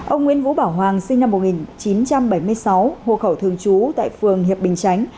ông nguyễn vũ bảo hoàng sinh năm một nghìn chín trăm bảy mươi sáu hộ khẩu thường trú tại phường hiệp bình chánh